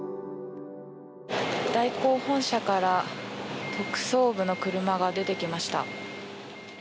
大広本社から特捜部の車が出てきました。